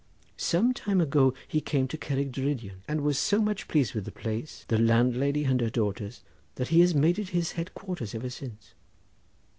Some time ago he came to Cerrig Drudion, and was so much pleased with the place, the landlady and her daughters that he has made it his head quarters ever since.